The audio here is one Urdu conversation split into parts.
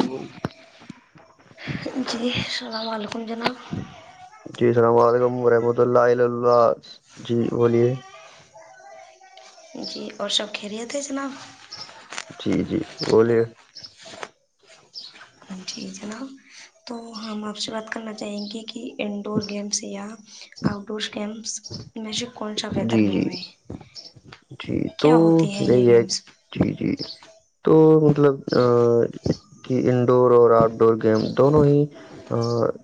جی جی السلام علیکم جناب واہ رحمت اللہ الا اللہ جی بولیے جی اور سب خیریت ہے جناب جی جی بولیے جی جناب تو ہم آپ سے بات کرنا چاہیں گے کہ انڈور گیمس یا آؤٹ ڈور گیمس میں سے کون سا جی بہتر جی گیم ہے جی تو کیا ہوتی ہیں یہ یہی ہے گیمس جی جی تو مطلب ا کہ انڈور اور آؤٹ ڈور گیم دونوں ہی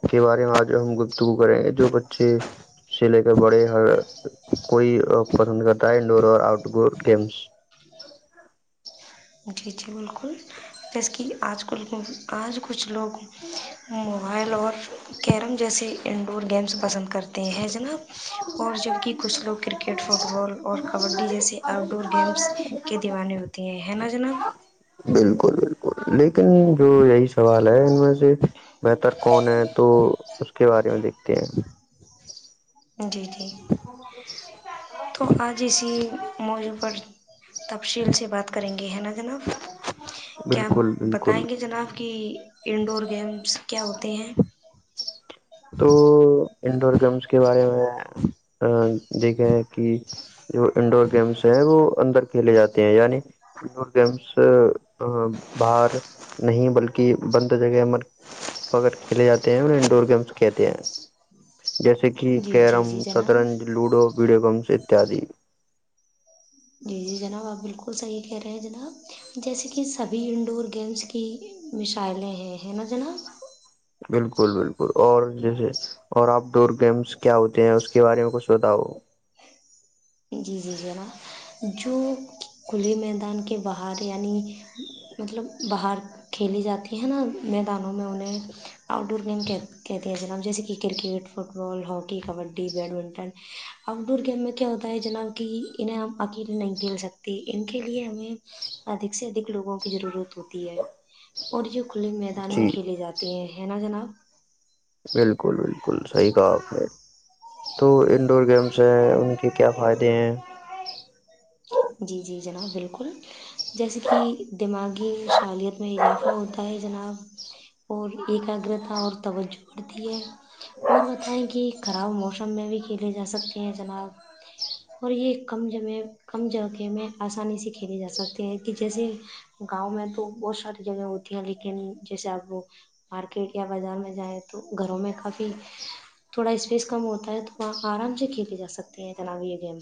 کے بارے میں آج ہم گفتگو کریں گے جو بچے سے لے کر ہر کوئی پسند کرتا ہے انڈور اور آؤٹ ڈور گیمس جی جی بالکل جیسے کہ آج کل آج کچھ لوگ موبائل اور کیرم جیسے آ ڈور گیمس پسند کرتے ہیں جناب اور جب کہ کچھ لوگ کرکٹ فٹبال اور کبڈی جیسے اؤٹ ڈور گیمز کے دیوانے ہوتی ہیں نا جناب بالکل بالکل لیکن جو یہی سوال ہے ان میں سے بہتر کون ہے تو کے بارے میں دیکھتے ہیں جی جی تو آج اسی موضوع پر [unintelligible] تفصیل سے بات کریں گے ح نت جناب کیا بالکل آپ بالکل بتائیں گے جناب کہ انڈور گیمس کیا ہوتے ہیں تو انڈور گیمس کے بارے میں دیکھے کہ جو انڈور گیمس ہے وہ اندر کھیلے جاتے ہیں یعنی انڈور گیمس باہر نہیں بلکہ بند جگہر پک کھیلے جاتے ہیں انڈور گیمس کہتے ہیں جیس سک جی جی کیرم جی جناب شطرنج لوڈو ویڈیو گمس کیا جی جی جناب آپ بالکل صحیح کہہ رہے ہیں جناب جیسے کہ سبھی انڈور گیمس کی مسائلیں ہیں ہے نا جناب بالکل بالکل اور جیسے اور آپ ڈور گیمس کیا ہوتے ہیں اس کے بارے میں کچھ بتاؤ جی جی جناب جو کھلے میدان کے باہر یعنی مطلب باہر کھیلی جاتی ہیں نا میدانوں میں انہیں آؤٹ ڈور گیم کہتے ہیں جناب جیسے کہ cricket football hockey kabaddi badminton outdoor game میں کیا ہوتا ہو جنا کہ انہیں ہم اکیلے نہیں کھیل سکتے ان کے لیے ہمیں ادک سے ادھک لوگوں کی ضرورت ہوتی ہے اور جو کھلے میدان میں جی کھیلے جاتے ہیں ہے نا جناب بالکل بالکل صحیح کہا آپ نے تو انڈور گیمس ہیں ان کے کیا فائدے ہیں جی جی جناب بالکل جیسے کہ دماغی شعالیت میں اضافہ ہوتا ہے جناب اور ایکاگرتا اور توجہ بڑھتی ہے اور بتائیں کہ خراب موسم میں بھی کھیلے جا سکتے ہیں جناب اور یہ کم جمعے کم جگہ میں آسانی سے کھیل جا سکتے ہیں کہ جیسے گاؤں میں تو بہت ساری جگہ ہوتی ہیں لیکن جیسے آپ مارکیٹ یا بازار میں جائیں تو گھروں میں کافی تھوڑا اسپیس کم ہوتا ہے تو وہ آرام سے کھیلے جا سکتے ہیں تناب یہ گیم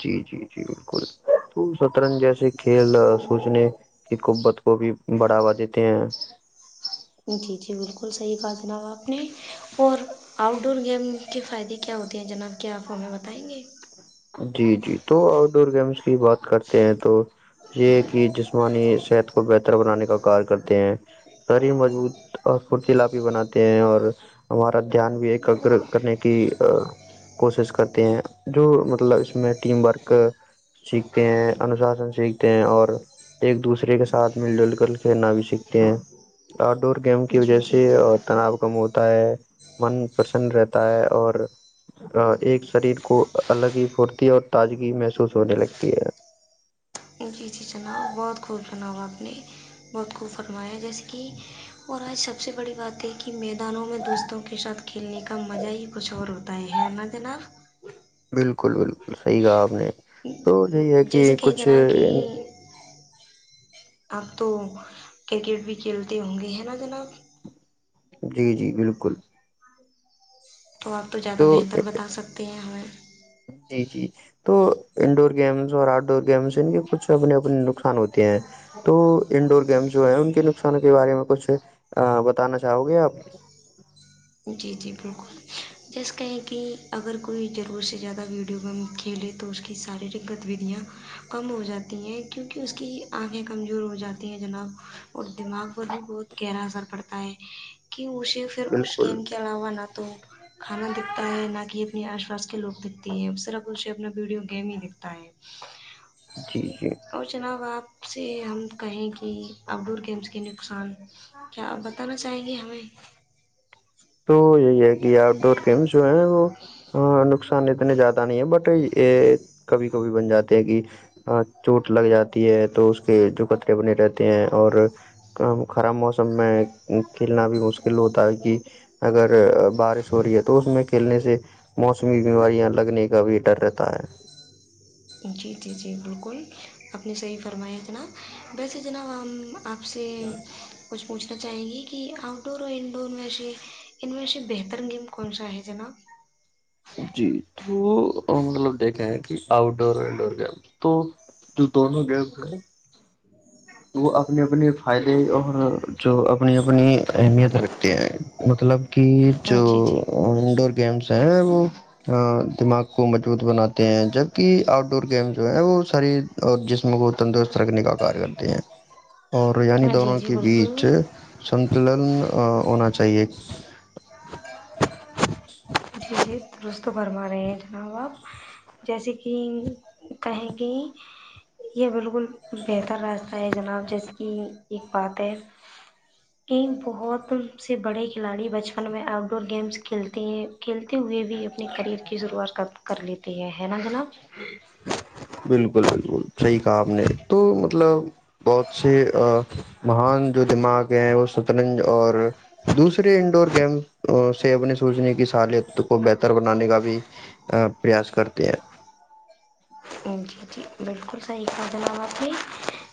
جی جی جی بالکل تو سطرنج جیس کھیل سوچنے کی قبت کو بھی بڑھاوا دیتے ہیں جی جی بالکل صحیح کہا جناب آپ نے اور آؤٹ ڈور گیم کے فائدے کیا ہوتے ہیں جناب کیا آپ ہمیں بتائیں گے جی جی تو آؤٹ ڈور گیمس کی بات کرتے ہیں تو یہ کہ جسمانی صحت کو بہتر بنانے کا کار کرتے ہیں شریر مضبوط اور فورتیلاپی بناتے ہیں اور ہمارا دھیان بھی ایکگگر کرنے کی کوشش کرتے ہیں جو ط اس میں ٹیم ورک سیکھتے ہیں انوشاسن سیکھتے ہیں اور ایک دوسرے کے ساتھ مل جل کر کھیلنا بھی سیکھتے ہیں آؤٹ ڈور گیم جی کی وجہ جی سے جی تناؤ کم ہوتا ہے من پرسن رہتا ہے اور ایک شریر کو الگ ہی پھرتی اور تازگی محسوس ہونے لگتی ہے جی سی چناؤ بہت خوب چناؤ آپ نے بہت خوب فرمایا جیسے کہ اور آج سب سے بڑی بات ہے کہ میدانوں میں دوستوں کے ساتھ کھیلنے کا مزہ ہی کچھ اور ہوتا ہے ہے ن جناب بالکل بالکل صحیح کہا آپ نے تو یہی ہے کہ کچھ اب تو کرکٹ بھی کھیلتے ہوں گے ہیں نا جناب جی جی بالکل تو آپ تو زیادہ بہتر بتا سکتے ہیں ہمیں جی جی تو انڈور گیمس اور آؤٹ ڈور گیمس ان کے کچھ اپنے اپنے نقصان ہوتے ہیں تو انڈور گیمس جو ہیں ان کے نقصان کے بارے میں کچھ بتانا چاہو گے آپ جی جی بالکل جیسے کہیں کہ کہ اگر کوئی ضرور سے زیادہ ویڈیو گیم کھیلے تو اس کی شارییرک گتیویددیاں کم ہو جاتی ہیں کیونکہ اس کی آگیں کمزور ہو جاتی ہے جناب اور دماغ پر بھی بہت گہرا اثر پڑتا ہے کہ اسے کش بالکل گینم کلا ونات تو کھانا دکھتا ہے نہ کہ اپنے آس پاس کے لوگ دکھتے ہیں سراف اسے اپنا ویڈیو گیم ہی دکھتا ہے جی جی اور جناؤ آپ سے ہم کہیں کہ آؤٹ ڈور گیمس کے نقصان کیا آپ بتانا چاہیں گے ہمیں [inaudible] تو یہی ہے کہ آؤٹ ڈور گیمس جو ہے وہ نقان نقصان اتنے جیادا نہیں ہے بٹ یہ کبھی کبھی بن جاتے ہیں کہ چوٹ لگ جاتی ہے تو اس کے جو کطرے بنے رہتے ہیں اور خراب موسم میں کھیلنا بھی مشکل ہوتا ہے کہ اگر بارش ہو رہی ہے تو اس میں کھیلنے سے موسمی بیماریاں لگنے کا بھی ڈر رہتا ہے جی جی جی بالکل اپنی صحیح فرمائییا جناب ویسے جناب ہم آپ سے کچھ پوچھ چاہیں گے کہ آؤٹ ڈور اور انڈور میں سے ان میں سے بہتر گیم کون سا ہے جناب جی تو مطلب دیکھے ہیں کہ آؤٹ ڈور اور انڈور گیم تو جو دونوں گیمس ہیں وہ اپنے اپنے فائدے اور جو اپنی اپنی اہمیت رکھتے ہیں مطلب کہ جو جی جی انڈور گیمس ہیں دماغ کو مضبوط بناتے ہیں جبکہ آؤٹ ڈور گیم جو ہے وہ ساری اور جسم کو تندرست رکھنے کا کار ا [unintelligible] اور یعنی ہاں جی دونوں جی کے بیچ بالکل سنتلن ہونا چاہیے جی درست برما رہے ہیں جناب آپ جیسے کہ کہیں گے یہ بالکل بہتر راستہ ہے جناب جیسے کہ ایک بات ہے کہ بہت سے بڑے کھلاڑی بچپن میں آؤٹ ڈور گیمس کھیلتے ہیں کل [unintelligible] ہوئے بھی اپنے کریئر کی شروعات کر لیتی ہے ہے نا جناب بالکل بالکل صحیح کہا آپ نے تو مطلب بہت سے مہان جو دماغ ہیں وہ سطرنج اور دوسرے انڈور گیم سے اپنے سوچنے کی سالت کو بہتر بنانے کا بھی پریاس کرتے ہیں جی جی بالکل صحیح تھا جناب آپ کی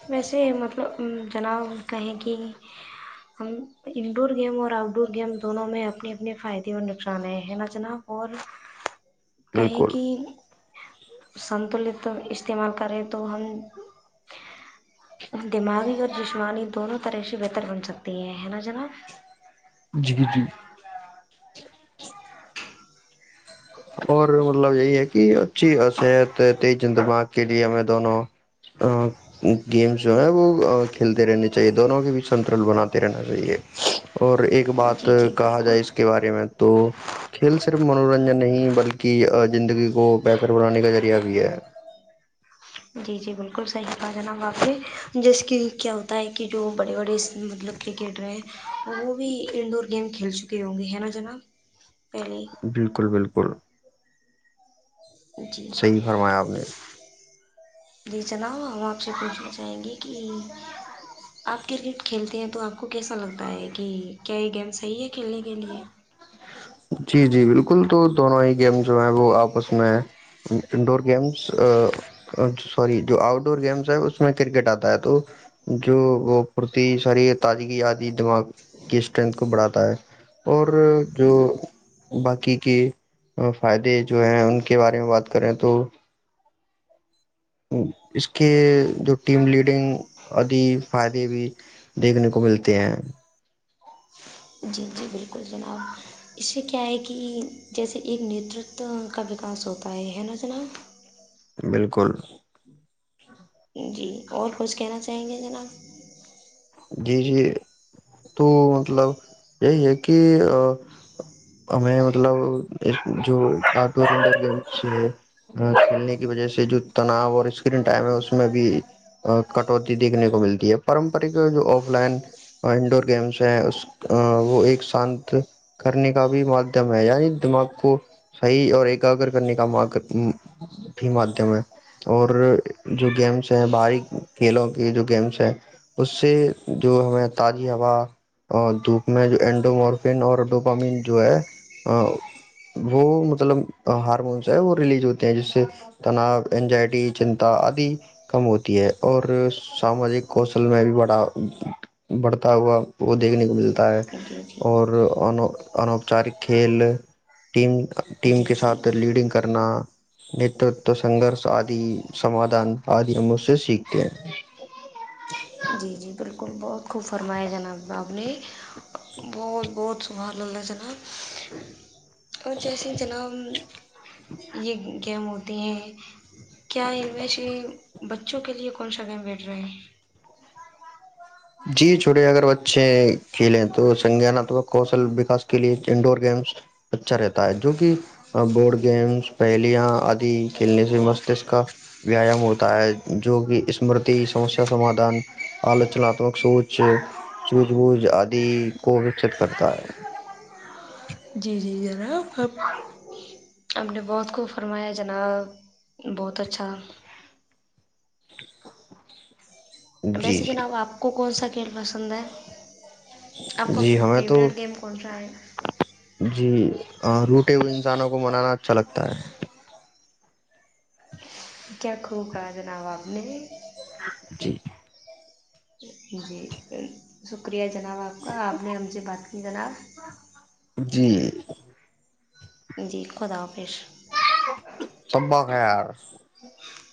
ویسے مطلب جناب کہیں کہ ہم انڈور گیم اور آؤٹ ڈور گیم دونوں میں اپنے اپنے فائدے اور نقصان ہیں نا جناب اور کہیں بالکل کہ سنتولت [unintelligible] استعمال کریں تو ہم دماغی اور جسمانی دونوں طرح سے بہتر بن سکتے ہیں ہے نا جناب جی جی اور مطلب یہی ہے کہ اچھی صحت تیز دماغ کے لیے ہمیں دونوں ہ [unintelligible] گیمس جو ہے وہ کھیلتے رہنے چاہیے دونوں کے بھی سنترل بناتے رہنا چاہیے اور ایک بات جی جی کہا جائے بالکل اس کے بارے میں تو کھیل صرف منورنجن نہیں بلکہ [unintelligible] زندگی کو بہتر بنانے کا ذریعہ بھی ہے جی جی بالکل صحیح کہا جناب آپ نے جس کی کیا ہوتا ہے کہ جو بڑے بڑے مطلب کرکٹر ہیں وہ بھی انڈور گیم کھیل چکے ہوں گے ہے نا جناب پہلے بالکل بالکل جی صحیح فرمایا آپ نے جی چلاؤ آپ [unintelligible] ہم آپ سے پوچھنا چاہیں گی کہ آپ کرکٹ کھیلتے ہیں تو آپ کو کیسا لگتا ہے کہ کیا یہ گیم صحیح ہے کھیلنے کے لیے جی جی بالکل تو دونوں ہی گیم جو ہیں وہ آپس میں انڈور گیمس سوری جو آؤٹ ڈور گیمس ہے اس میں کرکٹ آتا ہے تو جو وہ پھرتی ساری تازگی آدی دماغ کی اسٹرینتھ کو بڑھاتا ہے اور جو باقی کے فائدے جو ہیں ان کے بارے میں بات کریں تو اس کے جو ٹیم لیڈنگ آدی فائدے بھی دیکھنے کو ملتے ہیں جی جی بالکل جناب اس سے کیا ہے کہ جیسے ایک نیترتو کا وکاس ہوتا ہے ہے نا جناب بالکل جی اور کچھ کہنا چاہیں گے جناب جی جی تو مطلب یہی ہے کہ ہمیں مطلب جو آٹ ڈور انڈ گیم کھیلنے کی وجہ سے جو تناؤ اور اسکرین ٹائم ہے اس میں بھی کٹوتی دیکھنے کو ملتی ہے پارمپرک جو آف لائن انڈور گیمس ہیں اس وہ ایک شانت کرنے کا بھی مادھیم ہے یعنی دماغ کو صحیح اور ایکاگر کرنے کا بھی مادھیم ہے اور جو گیمس ہے باہری کھیلوں کے جو گیمس ہیں اس سے جو ہمیں تازی ہوا دھوپ میں جو اینڈومارفن اور ڈوپامن جو ہے وہ مطلب ہارمونس ہے وہ ریلیز ہوتے ہیں جس سے تناؤ اینجائٹی چنتا آدی کم ہوتی ہے اور ساماجک کو ل میں بھی بڑا بڑھتا ہوا وہ دیکھنے کو ملتا جی جی اور ان انوپچارک کھیل ٹیم ٹیم جی کے جی ساتھ لیڈنگ کرنا نترتو سنگرش آد سمادادھان آد ہم اس سے سیکھتے ہیں جی جی بالکل بہت کو فرمائی جان ب اپ نے بہت بہت سھار ل جن اور جیسے جناب یہ گیم ہوتی [unintelligible] کیا ان میں سے بچوں کے لیے کون سا گائم بیٹھ رہے ہے جی چ اگر بچے کھیلیں تو سنگانمک کوشل وکاس کے لیے انڈور گیمس اچھا رہتا ہے جو کہ بورڈ گیمس پہلیاں آد کھیلنے سے مستشک کا ویایام ہوتا ہے جو کہ اسمرتی سمسیا سمادھان آلوچنا سچ سج بج آد کو وکست کرتا ہے جی جی ی خب خب [inaudible] ہم نے بہت کو فرمایا جناب بہت اچھا جی ویسے جی جناب آپ کو کون سا [unintelligible] کھیل پسند ہے [unintelligible] آپ کا جی ہمیں تو فیوریٹ گیم کون سا ہے جی روٹ [unintelligible] انسانوں کو منانا اچھا لگتا ہے کیاکھوں کہا جناب آپ نے [inaudible] [unintelligible] [unintelligible] [unintelligible] [unintelligible] [unintelligible]